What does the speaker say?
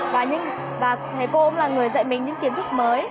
và thầy cô cũng là người dạy mình những kiến thức mới